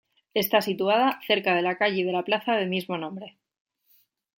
Está situada cerca de la calle y de la plaza de mismo nombre.